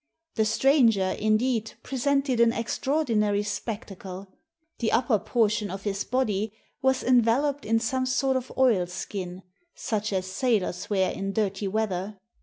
The stranger, indeed, presented an extraordinary spectacle. The upper portion of his body was enveloped in some sort of oilskin — such as sailors wear in dirty weather.